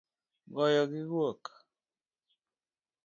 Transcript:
Goyo gi guok